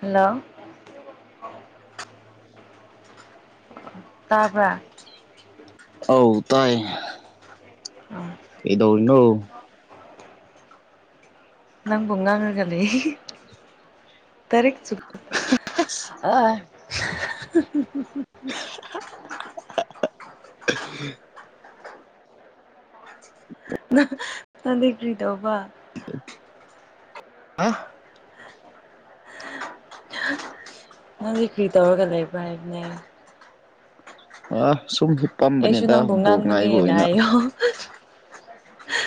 Hello ꯇꯥꯕ꯭ꯔꯥ ꯑꯧ ꯇꯥꯏ ꯀꯩꯗꯧꯔꯤꯅꯣ ꯅꯪꯕꯨ ꯉꯥꯡꯔꯒꯥ ꯂꯩ ꯍꯤ ꯍꯤ [unintelligible] [unintelligible] ꯅꯪ ꯅꯪꯗꯤ ꯀ꯭ꯔꯤ ꯇꯧꯕ ꯑꯥ ꯅꯪꯗꯤ ꯀ꯭ꯔꯤ ꯇꯧꯔꯒ ꯂꯩꯕ꯭ꯔꯥ ꯍꯥꯏꯕꯅꯦ ꯑꯥ ꯁꯨꯝ ꯑꯩꯁꯨ ꯍꯤꯞꯄꯝꯕꯅꯦꯗ ꯅꯪꯕꯨ ꯕꯣꯜ ꯉꯥꯏꯕ ꯉꯥꯡꯕꯅꯦꯅ ꯑꯣꯏꯅ [unintelligible]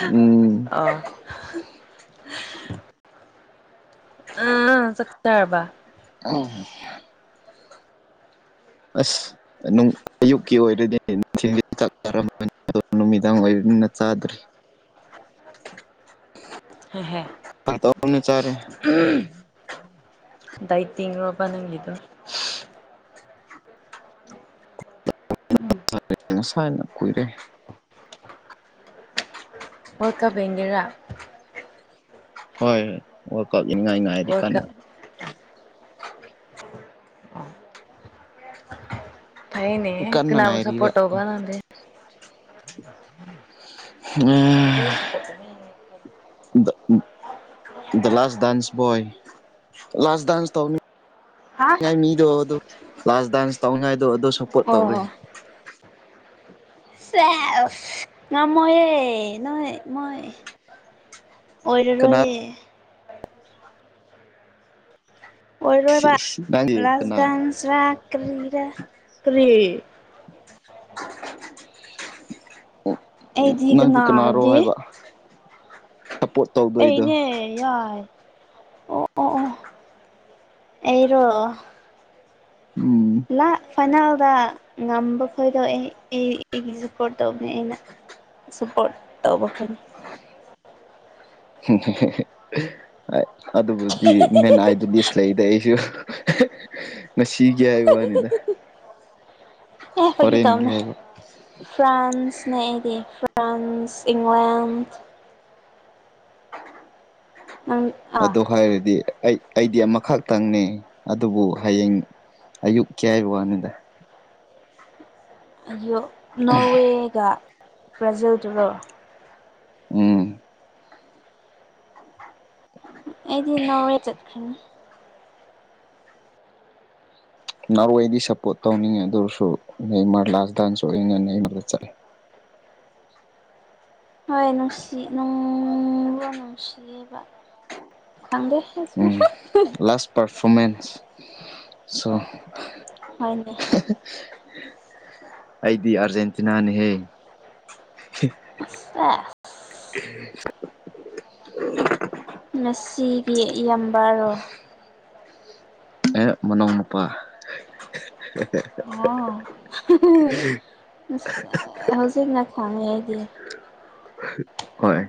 ꯎꯝ ꯑꯥ ꯑꯥ ꯆꯥꯛ ꯆꯥꯔꯕ [unintelligible] ꯑꯁ ꯑꯅꯨꯡ ꯑꯌꯨꯛꯀꯤ ꯑꯣꯏꯔꯗꯤꯅꯦ [unintelligible] ꯅꯨꯃꯤꯗꯥꯡ ꯑꯣꯏꯕꯅꯤꯅ ꯆꯥꯗ꯭ꯔꯤ [unintelligible] ꯐꯥꯒꯤ ꯇꯧꯕꯅꯤ ꯆꯥꯔꯦ ꯎꯝ ꯗꯥꯏꯇꯤꯡꯔꯣꯕ ꯅꯪꯒꯤꯗꯨ ꯎꯝ ꯉꯁꯥꯏꯅ ꯀꯨꯏꯔꯦ ꯋꯥꯜ ꯀꯞ ꯌꯦꯡꯒꯦꯔꯥ ꯍꯣꯏ ꯍꯣꯏ ꯋꯥꯔꯜ ꯀꯞ ꯌꯦꯅꯤꯡꯉꯥꯏꯅꯤꯉꯥꯏꯔꯤ ꯋꯥꯔꯜ ꯀꯞ ꯀꯟꯅ ꯑꯥ ꯐꯩꯌꯦꯅꯦ ꯀꯟꯅ ꯀꯅꯥꯕꯨ ꯉꯥꯏꯔꯤꯕ ꯁꯥꯄꯣꯔꯠ ꯇꯧꯕ ꯅꯪꯗꯤ [unintelligible] [unintelligible] ꯗ ꯂꯥꯁ ꯗꯥꯥꯟꯁ ꯕꯣꯏ ꯂꯥꯁ ꯗꯥꯥꯟꯁ ꯇꯧꯅꯤ ꯍꯥ ꯉꯥꯏ ꯃꯤꯗꯣ ꯑꯗꯨ ꯂꯥꯁ ꯗꯥꯟꯁ ꯇꯧꯅꯤꯉꯥꯏꯗꯣ ꯑꯗꯨ ꯁꯞꯄꯣꯔꯠ ꯑꯣ ꯇꯧꯔꯤ ꯁꯦꯁ ꯉꯝꯃꯣꯏꯌꯦ ꯅꯣꯏ ꯃꯣꯏ ꯀꯅꯥ ꯑꯣꯏꯔꯔꯣꯏꯌꯦ ꯑꯣꯏꯔꯣꯏꯕ ꯅꯪꯗꯤ ꯂꯥꯁ ꯀꯅꯥ ꯗꯟꯁ ꯔ ꯀꯔꯤꯔ ꯀꯔꯤ ꯎꯝ ꯑꯩꯗꯤ ꯀꯅꯥ ꯅꯪꯗꯤ ꯀꯅꯥꯔꯣ ꯍꯥꯏꯕꯗꯤ ꯍꯥꯏꯕ ꯁꯄꯣꯠ ꯑꯩꯅꯦ ꯌꯥꯏ ꯑꯣ ꯑꯣ ꯑꯣ ꯑꯩꯔꯣ ꯎꯝ ꯂꯥ ꯐꯥꯏꯅꯜꯗ ꯉꯝꯕ ꯈꯣꯏꯗꯣꯑꯦ ꯑꯩ ꯑꯩꯒꯤ ꯁꯞꯄꯣꯔꯠ ꯇꯧꯕꯅꯦ ꯑꯩꯅ ꯁꯄꯣꯔꯠ ꯇꯧꯕ ꯐꯅꯤ ꯍꯨꯝ ꯍꯦ ꯍꯦ ꯍꯦ ꯍꯍ ꯑꯗꯨꯕꯨꯗꯤ ꯃꯦꯟ ꯑꯥꯏꯗꯨꯗꯤ ꯂꯩꯗ ꯑꯩꯁꯨ ꯉꯁꯤꯒꯤ ꯍꯥꯏꯕ ꯋꯥꯅꯤꯗ ꯑꯦ ꯐꯥꯒꯤ ꯍꯣꯔꯦꯟꯒꯤ ꯇꯧꯕꯅꯦ ꯍꯥꯏꯕ ꯐ꯭ꯔꯥꯟꯁꯅꯦ ꯑꯩꯗꯤ ꯐ꯭ꯔꯥꯟꯁ ꯏꯪꯂꯦꯟ ꯅꯪ ꯑꯥ ꯑꯗꯨ ꯍꯥꯏꯔꯗꯤ ꯑꯩ ꯑꯩꯗꯤ ꯑꯃꯈꯇꯪꯅꯤ ꯑꯗꯨꯕꯨ ꯍꯌꯦꯡ ꯑꯌꯨꯛꯀꯤ ꯍꯥꯏꯕ ꯋꯥꯅꯤꯗ ꯑꯩꯌꯨꯛ ꯅꯣꯔꯋꯦꯒ ꯕ꯭ꯔꯥꯖꯤꯜꯗꯨꯔꯣ ꯎꯝ ꯑꯩꯗꯤ ꯅꯣꯔꯋꯦ ꯆꯠꯈꯔꯅꯤ ꯅꯣꯔꯋꯦꯗꯤ ꯁꯞꯄꯣꯔꯠ ꯇꯧꯅꯤꯡꯉꯦ ꯑꯗꯨ ꯑꯣꯏꯔꯁꯨ ꯅꯦꯃꯔ ꯂꯥꯁ ꯗꯥꯟꯁꯨ ꯑꯣꯏꯔꯅꯤꯅ ꯑꯩ ꯑꯗꯨꯗ ꯆꯠꯂꯦ ꯍꯣꯏ ꯅꯨꯡꯁꯤ ꯅꯨꯡ ꯂꯣ ꯅꯨꯡꯁꯤꯌꯦꯕ ꯈꯪꯗꯦ ꯑꯩꯁꯨ ꯎꯝ ꯂꯥꯁ ꯄꯔꯐꯣꯔꯃꯦꯟꯁ ꯁꯣ ꯍꯣꯏꯅꯦ ꯑꯩꯗꯤ ꯑꯥꯔꯖꯦꯟꯇꯤꯅꯥꯅꯤꯍꯦ꯫ ꯑꯥ [inaudible] ꯉꯁꯤꯒꯤ ꯏꯌꯝꯕꯥꯔꯣ ꯑꯦ ꯃꯅꯣꯎꯅꯨꯄꯥ ꯍꯦꯍꯦꯍꯦ ꯑꯁ ꯍꯧꯖꯤꯛꯅ ꯈꯪꯉꯦ ꯑꯩꯗꯤ ꯍꯣꯏ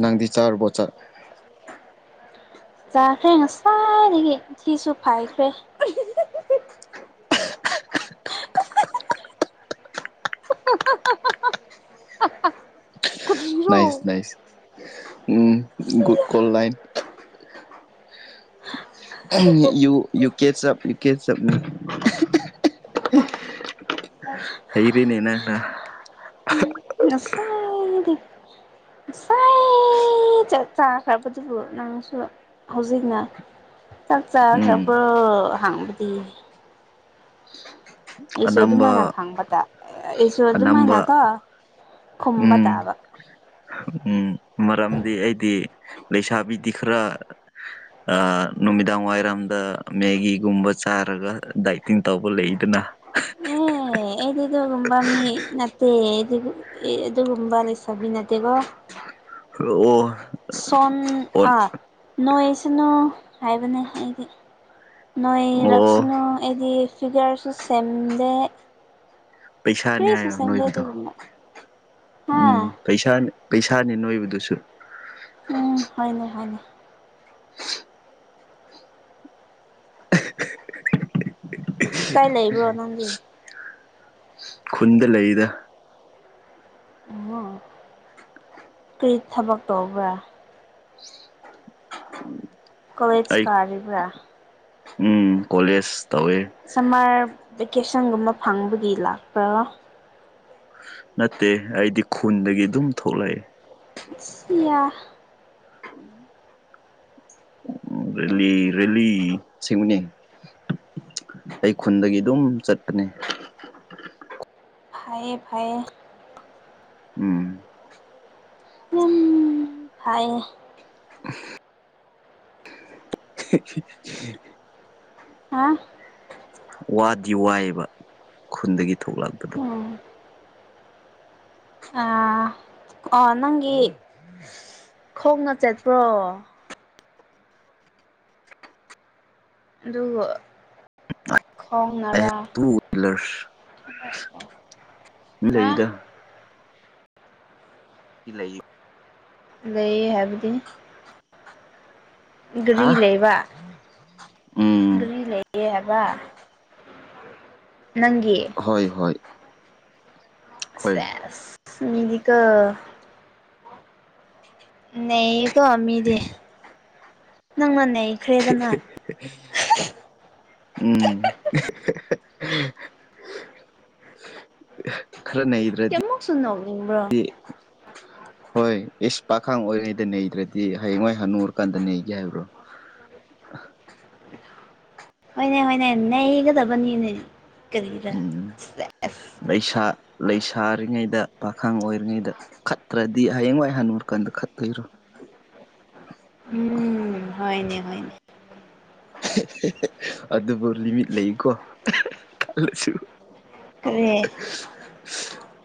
ꯅꯪꯗꯤ ꯆꯥꯔꯕꯣ ꯆꯥꯛ ꯆꯈ꯭ꯔꯦ ꯉꯁꯥꯏꯗꯒꯤ ꯊꯤꯁꯨ ꯐꯥꯏꯈ꯭ꯔꯦ꯫ ꯀꯔꯤꯔꯥ꯫ ꯅꯥꯏꯁ ꯅꯥꯏꯁ ꯎꯝ ꯒꯨꯠ ꯀꯣꯜ ꯂꯥꯏꯟ꯫ ꯑꯍꯝ ꯌꯨ ꯌꯨ ꯀꯦꯆꯑꯞ ꯌꯨ ꯀꯦꯆꯑꯞꯅꯦ ꯍꯩꯔꯤꯅꯦ ꯅꯪꯅ ꯉꯁꯥꯏ ꯗꯤ [unintelligible] ꯉꯁꯥꯏ꯫ ꯆꯥꯛ ꯆꯥꯈ꯭ꯔꯕꯗꯨꯕꯨ ꯅꯪꯁꯨ ꯍꯧꯖꯤꯛꯅ꯫ ꯆꯥꯛ ꯎꯝ ꯆꯥꯈ꯭ꯔꯕꯔꯣ ꯍꯥꯡꯕꯗꯤ꯫ ꯑꯩꯁꯨ ꯑꯗꯨꯃꯥꯏꯅ ꯑꯅꯝꯕ ꯈꯥꯡꯕ ꯇꯥ ꯑꯩꯁꯨ ꯑꯅꯝꯕ ꯑꯗꯨꯃꯥꯏꯅꯀꯣ ꯈꯨꯝꯕ ꯎꯝ ꯇꯥꯕ꯫ ꯎꯝ ꯃꯔꯝꯗꯤ ꯑꯩꯗꯤ ꯂꯩꯁꯥꯕꯤꯗꯤ ꯈꯔ ꯑꯥ ꯅꯨꯃꯤꯗꯥꯡ ꯋꯥꯏꯔꯝꯗ ꯃꯦꯒꯤꯒꯨꯝꯕ ꯆꯥꯔꯒ ꯗꯥꯏꯇꯤꯡ ꯇꯧꯕ ꯂꯩꯗꯅ꯫ ꯑꯍ [unintelligible] ꯑꯦ ꯑꯩꯗꯤ ꯑꯗꯨꯒꯨꯝꯕ ꯃꯤ ꯅꯠꯇꯦ ꯑꯩꯗꯤ ꯑꯗꯨꯒꯨꯝꯕ ꯂꯩꯁꯕꯤ ꯅꯠꯇꯦꯀꯣ꯫ ꯑꯣ ꯁꯣꯟ ꯑꯣꯟ ꯑꯥ ꯅꯣꯏꯁꯅꯨ ꯍꯥꯏꯕꯅꯦ ꯑꯩꯗꯤ꯫ ꯑꯣ ꯅꯣꯏꯔꯛꯁꯅꯨ ꯑꯩꯗꯤ ꯐꯤꯒꯔꯁꯨ ꯁꯦꯝꯗꯦ꯫ ꯄꯩꯁꯥꯅꯤ ꯀꯔꯤꯁꯨ ꯍꯥꯏꯌꯣ ꯁꯦꯝꯗꯦ ꯅꯣꯏꯕꯗꯣ ꯑꯗꯨꯒꯨꯝꯕ ꯍꯥ ꯎꯝ꯫ ꯄꯩꯁꯥꯅ ꯄꯩꯁꯥꯅꯤ ꯅꯣꯏꯕꯗꯨꯁꯨ꯫ ꯍꯥꯏꯅꯦ ꯍꯥꯏꯅꯦ꯫ [inaudible] ꯑꯍ ꯑꯍ ꯀꯥꯏ ꯂꯩꯕ꯭ꯔꯣ ꯅꯪꯗꯤ꯫ ꯈꯨꯟꯗ ꯂꯩꯗ꯫ ꯑꯣ ꯀꯔꯤ ꯊꯕꯛ ꯇꯧꯕ꯭ꯔꯥ꯫ ꯀꯣꯂꯦꯁ ꯑꯩ ꯀꯥꯔꯤꯕ꯭ꯔꯥ꯫ ꯎꯝ ꯀꯣꯂꯦꯖ ꯇꯧꯋꯦ꯫ ꯁꯝꯃꯔ ꯚꯦꯀꯦꯁꯟꯒꯨꯝꯕ ꯐꯪꯕꯒꯤ ꯂꯥꯛꯄ꯭ꯔꯥ꯫ ꯅꯠꯇꯦ ꯑꯩꯗꯤ ꯈꯨꯟꯗꯒꯤ ꯑꯗꯨꯝ ꯊꯣꯛꯂꯛꯑꯦ꯫ ꯁꯤꯌꯥ ꯎꯝ [unintelligible] ꯎꯝ ꯔꯦꯂꯤ ꯔꯦꯂꯤ ꯑꯁꯦꯡꯕꯅꯦ꯫ ꯑꯩ ꯈꯨꯟꯗꯒꯤ ꯑꯗꯨꯝ ꯆꯠꯄꯅꯦ꯫ ꯐꯩꯌꯦ ꯐꯩꯌꯦ꯫ ꯎꯝ ꯌꯥꯝ ꯐꯥꯏꯌꯦ ꯎꯝ ꯑꯍꯦ [unintelligible] ꯍꯥ ꯋꯥꯗꯤ ꯋꯥꯏꯑꯕ ꯈꯨꯟꯗꯒꯤ ꯊꯣꯛꯂꯛꯄꯗꯣ꯫ ꯎꯝ ꯑꯥ ꯑ ꯅꯪꯒꯤ ꯈꯣꯡꯅ ꯆꯠꯄ꯭ꯔꯣ꯫ ꯑꯗꯨꯕꯨ ꯑꯩ ꯈꯣꯡꯅꯔꯥ ꯇꯨ ꯋꯤꯂꯔꯁ ꯍꯥ ꯂꯩꯗ ꯏ ꯂꯩꯌꯨ ꯂꯩꯌꯦ ꯍꯥꯏꯕꯗꯤ ꯍꯥ ꯒꯔꯤ ꯂꯩꯕ ꯎꯝ ꯒꯔꯤ ꯂꯩꯌꯦ ꯍꯥꯏꯕ ꯅꯪꯒꯤ ꯍꯣꯏ ꯍꯣꯏ ꯍꯣꯏ ꯁꯦꯁ ꯃꯤꯗꯤꯀꯣ ꯅꯩꯌꯦꯀꯣ ꯃꯤꯗꯤ ꯅꯪꯅ ꯅꯩꯈ꯭ꯔꯦꯗꯅ [unintelligible] ꯎꯝ [unintelligible] ꯈꯔ ꯅꯩꯗ꯭ꯔ ꯃꯨꯛꯁꯨ ꯅꯣꯛꯅꯤꯡꯕ꯭ꯔꯣ ꯍꯣꯏ ꯏꯁ ꯄꯥꯈꯪ ꯑꯣꯏꯔꯉꯩꯗ ꯅꯩꯗ꯭ꯔꯗꯤ ꯍꯌꯦꯡꯋꯥꯏ ꯍꯅꯨꯔꯀꯥꯟꯗ ꯅꯩꯒꯦ ꯍꯥꯏꯕ꯭ꯔꯣ ꯍꯣꯏꯅꯦ ꯍꯣꯏꯅꯦ ꯅꯩꯒꯗꯕꯅꯤꯅꯦ ꯀꯔꯤꯔ ꯎꯝ ꯁꯦꯁ ꯂꯩꯁꯥ ꯂꯩꯁꯥꯔꯤꯉꯩꯗ ꯄꯥꯈꯪ ꯑꯣꯏꯔꯤꯉꯩꯗ ꯈꯠꯇ꯭ꯔꯗꯤ ꯍꯌꯦꯡꯋꯥꯏ ꯍꯟꯅꯨꯔꯀꯥꯟꯗ ꯈꯠꯇꯣꯏꯔꯣ ꯎꯝ ꯍꯣꯏꯅꯦ ꯍꯣꯏꯅꯦ ꯑꯗꯨꯕꯨ ꯂꯤꯃꯤꯠ ꯂꯩꯌꯦꯀꯣ ꯈꯜꯂꯁꯨ ꯀꯔꯤ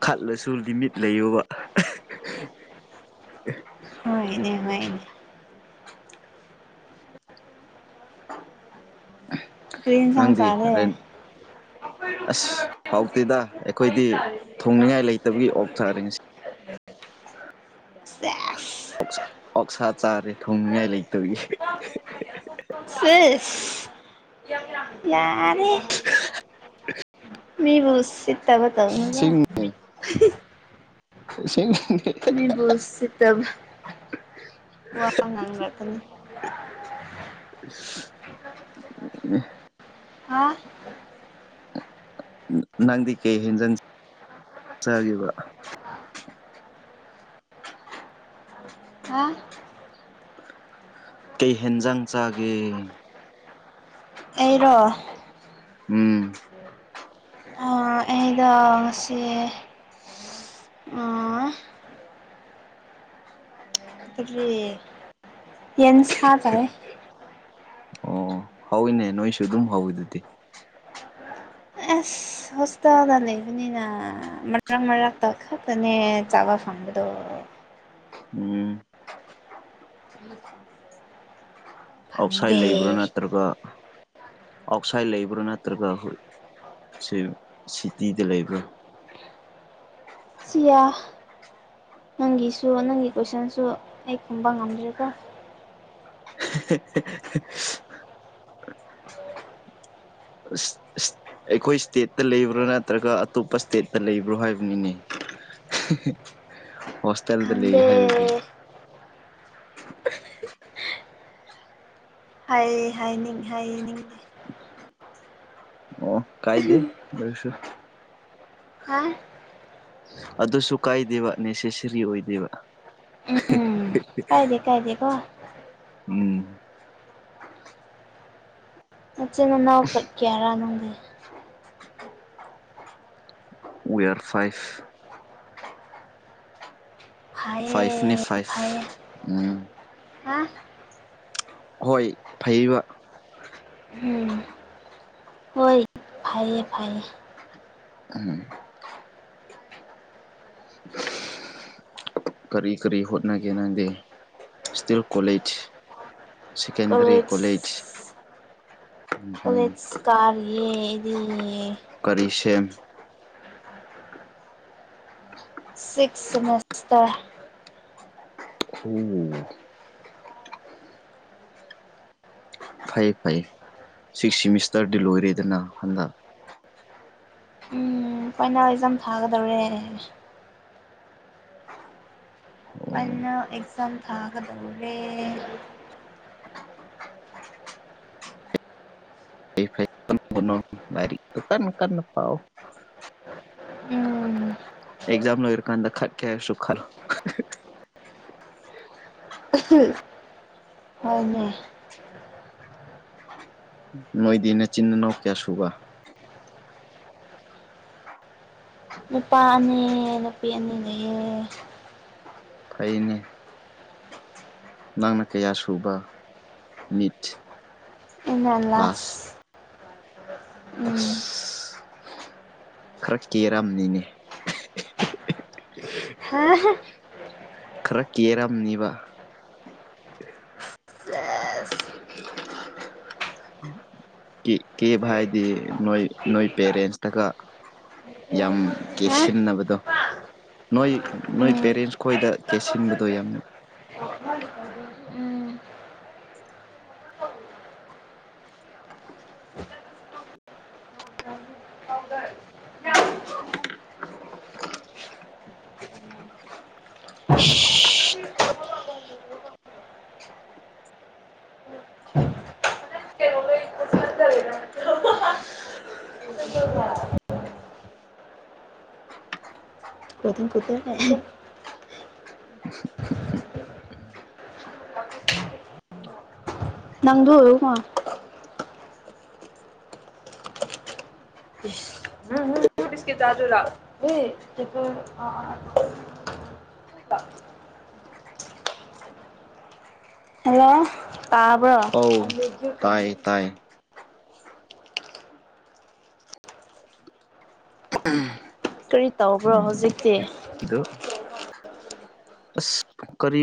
ꯈꯠꯂꯁꯨ ꯂꯤꯃꯤꯠ ꯂꯩꯌꯣꯕ ꯍꯣꯏꯅꯦ ꯍꯣꯏꯅꯦ [unintelligible] ꯀ꯭ꯔꯤ ꯑꯦꯟꯁꯥꯡ ꯅꯪꯗꯤ ꯆꯥꯔꯦ ꯍꯣꯔꯦꯟ ꯑꯁ ꯍꯥꯎꯇꯦꯗ ꯑꯩꯈꯣꯏꯗꯤ ꯊꯣꯡꯅꯤꯡꯉꯥꯏ ꯂꯩꯇꯕꯒꯤ ꯑꯣꯛ ꯆꯥꯔꯦ ꯉꯁꯤ ꯁꯦꯁ ꯑꯣꯛꯁꯥ ꯆꯥꯔꯦ ꯊꯣꯡꯅꯤꯡꯉꯥꯏ ꯂꯩꯇꯕꯒꯤ ꯁꯤꯁ ꯌꯥꯔꯦ [unintelligible] ꯃꯤꯕꯨ ꯎꯁꯤꯠꯇꯕ ꯇꯧꯅꯨꯗ ꯁꯤꯡ ꯑꯁꯦꯡꯕꯩꯅꯦ ꯃꯤꯕꯨ ꯎꯁꯤꯠꯇꯕꯥ ꯋꯥ ꯉꯥꯡꯔꯛꯀꯅꯤ ꯍꯥ ꯅꯪꯗꯤ ꯀꯩ ꯍꯦꯟꯖꯥꯡ ꯆꯥꯒꯦꯕ ꯍꯥ ꯀꯩ ꯍꯦꯟꯖꯥꯡ ꯆꯥꯒꯦ ꯑꯩꯔꯣ ꯎꯝ ꯑ ꯑꯩꯗꯣ ꯉꯁꯤ ꯑꯥ ꯀꯔꯤ ꯌꯦꯟꯁꯥ ꯆꯥꯏꯌꯦ ꯑꯣ ꯍꯥꯥꯎꯋꯤꯅꯦ ꯅꯣꯏꯁꯨ ꯑꯗꯨꯝ ꯍꯥꯥꯎꯋꯤꯗꯨꯗꯤ ꯑꯁ ꯍꯣꯁꯇꯦꯜꯗ ꯂꯩꯕꯅꯤꯅ ꯃꯔꯛ ꯃꯔꯛꯇ ꯈꯛꯇꯅꯦ ꯆꯥꯕ ꯐꯪꯕꯗꯣ ꯎꯝ ꯑꯥꯎꯠꯁꯥꯏꯠ ꯂꯩꯕ꯭ꯔꯥ ꯐꯪꯗꯦ ꯅꯠꯇ꯭ꯔꯒ ꯑꯥꯎꯠꯁꯥꯏꯠ ꯂꯩꯕ꯭ꯔꯥ ꯅꯠꯇ꯭ꯔꯒ ꯁꯤ ꯁꯤꯇꯤꯗ ꯂꯩꯕ꯭ꯔꯥ ꯁꯤꯌꯥ ꯅꯪꯒꯤꯁꯨ ꯅꯪꯒꯤ ꯀꯣꯏꯁꯟꯁꯨ ꯑꯩ ꯈꯨꯝꯕ ꯉꯝꯗ꯭ꯔꯦꯀꯣ [unintelligible] ꯑꯁ ꯑꯁ ꯑꯩꯈꯣꯏ ꯏꯁꯇꯦꯠꯇ ꯂꯩꯕ꯭ꯔꯥ ꯅꯠꯇ꯭ꯔꯒ ꯑꯇꯣꯞꯄ ꯏꯁꯇꯦꯠꯇ ꯂꯩꯕ꯭ꯔꯣ ꯍꯥꯏꯕꯅꯤꯅꯦ ꯍꯣꯁꯇꯦꯜꯗ ꯂꯩ ꯍꯥꯏꯕꯒꯤ ꯈꯪꯗꯦ ꯍꯥꯏ ꯍꯥꯏꯅꯤꯡ ꯍꯥꯏꯅꯤꯡ ꯑꯣ ꯀꯥꯏꯗꯦ ꯑꯗꯨ ꯑꯣꯏꯔꯁꯨ ꯍꯥ ꯑꯗꯨꯁꯨ ꯀꯥꯏꯗꯦꯕ ꯅꯦꯁꯦꯁꯔꯤ ꯑꯣꯏꯗꯦꯕ ꯎꯝ ꯀꯥꯏꯗꯦ ꯀꯥꯏꯗꯦꯀꯣ ꯎꯝ ꯃꯆꯤꯟꯅꯥꯎ ꯀꯠꯀꯦꯔꯥ ꯅꯅꯨꯡꯗꯤꯦ ꯎꯔ ꯐꯥꯏꯚ ꯐꯩꯌꯦ ꯐꯥꯏꯚꯅꯦ ꯐꯥꯏꯚ ꯐꯩꯌꯦ ꯎꯝ ꯍꯥ ꯍꯣꯏ ꯐꯩꯕ ꯎꯝ ꯐꯌꯦ ꯐꯥꯏ ꯑ ꯀꯔꯤ ꯀꯔꯤ ꯍꯣꯠꯅꯒꯦ ꯅꯪꯗꯤ ꯏꯁꯇꯤꯜ ꯀꯣꯂꯦꯖ ꯁꯦꯀꯦꯟꯗꯔꯤ ꯀꯣꯂꯦꯖ ꯎꯝ ꯀꯂꯦꯁ ꯀꯥꯦꯗꯤ ꯀꯔꯤꯁ ꯁꯤꯛꯁ ꯁꯁꯇꯔ ꯍꯝ ꯐꯩ ꯐꯩ ꯁꯤꯛꯁ ꯁꯤꯃꯤꯁꯇꯔꯗꯤ ꯂꯣꯏꯔꯦꯗꯅ ꯍꯟꯗꯛ ꯎꯝ ꯐꯣꯏꯅꯥꯜ ꯑꯩꯖꯝ ꯊꯥꯒꯗꯧꯔꯦꯅꯦ ꯍꯥꯏꯅꯦ ꯑꯣ ꯩꯅ ꯑꯦꯛꯁꯥꯝ ꯊꯥꯒꯗꯔꯦ ꯀꯩꯅ ꯀꯟꯅ ꯄꯥꯑꯣ ꯎꯝ ꯑꯦꯛꯖꯥꯝ ꯂꯣꯏꯔꯀꯥꯟꯗ ꯈꯠ ꯀꯦ ꯍꯥꯏꯁꯨ ꯈꯜ ꯍꯅꯦ ꯃꯣꯏꯗꯤ ꯅꯆꯤꯤꯟꯅꯣ ꯀꯌꯥ ꯁꯨꯕ ꯅꯨꯄꯥ ꯑꯅꯤ ꯅꯨꯄꯤ ꯑꯅꯤ ꯂꯩꯌꯦ ꯐꯩꯅꯤ ꯅꯪꯅ ꯀꯌꯥ ꯁꯨꯕ ꯃꯤꯠ ꯏ ꯂꯥꯁ ꯎꯝ ꯑꯁ ꯈꯔ ꯀꯦꯔꯝꯅꯤꯅꯦ ꯍꯥ ꯈꯔ ꯀꯦꯔꯝꯅꯤꯕ ꯁꯦꯁ ꯀ ꯀꯦꯕ ꯍꯥꯏꯗꯤ ꯅꯣꯏ ꯅꯣꯏ ꯄꯦꯔꯦꯟꯁꯇꯒ ꯌꯥꯝ ꯍꯥ ꯀꯦꯛꯁꯤꯟꯅꯕꯗꯣ ꯅꯣꯏ ꯅꯣꯏ ꯎꯝ ꯄꯦꯔꯦꯟꯁ ꯈꯣꯏꯗ ꯀꯦꯁꯤꯟꯕꯗꯣ ꯌꯥꯝꯅ ꯎꯝ ꯀꯊ ꯀꯊ ꯅꯪꯗ ꯑꯣꯏ ꯇꯁ ꯎꯝꯝ ꯁꯀꯤ ꯆꯥꯖꯨꯔ ꯀꯆ ꯍꯜꯂꯣ ꯇꯥꯕ꯭ꯔꯣ ꯑꯧ ꯇꯥꯏ ꯇꯥꯏ ꯀꯔꯤ ꯇꯧꯕ꯭ꯔꯣ ꯎꯝ ꯍꯧꯖꯤꯛꯇꯤ ꯑꯗꯣ ꯑꯁ ꯀꯔꯤ